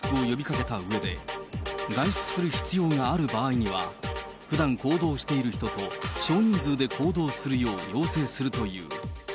引き続き、外出自粛を呼びかけたうえで、外出する必要がある場合には、ふだん行動している人と少人数で行動するよう要請するという。